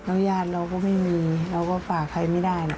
แล้วญาติเราก็ไม่มีเราก็ฝากใครไม่ได้นะ